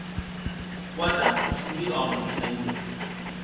Quate o cinc mil òmes, senhor.